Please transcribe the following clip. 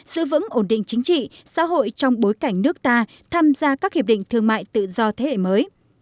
giữ vững ổn định chính trị xã hội trong bối cảnh nước ta tham gia các hiệp định thương mại tự do thế hệ mới